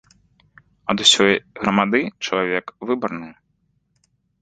Ад усёй грамады чалавек выбарны.